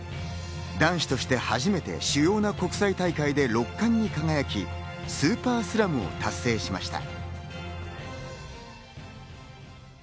男子として初めて主要な国際大会で６冠に輝き、スーパースラムを達成しました。